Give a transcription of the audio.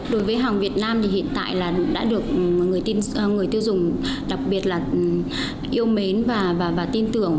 đối với hàng việt nam thì hiện tại là đã được người tiêu dùng đặc biệt là yêu mến và tin tưởng